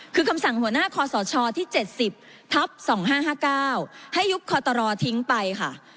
คือคำสั่งหัวหน้าคอสอชอที่เจ็ดสิบทับสองห้าห้าเก้าให้ยุคคอตรอทิ้งไปค่ะ